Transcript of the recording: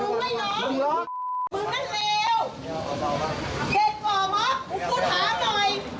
มึงนั้นเลวเห็นกว่าหมดกูถามหน่อย